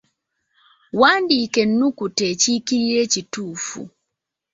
Wandiika ennukuta ekiikirira ekituufu.